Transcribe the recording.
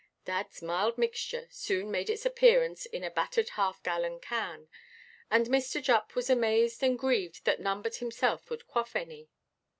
Dadʼs mild mixture soon made its appearance in a battered half–gallon can, and Mr. Jupp was amazed and grieved that none but himself would quaff any.